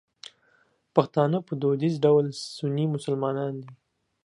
پښتانه په دودیز ډول سني مسلمانان دي.